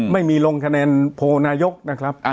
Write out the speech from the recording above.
ไม่มีลงคะแนนโพลนายกนะครับ